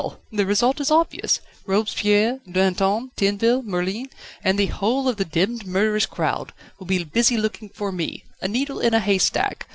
the result is obvious. Robespierre, Danton, Tinville, Merlin, and the whole of the demmed murderous crowd, will be busy looking after me a needle in a haystack.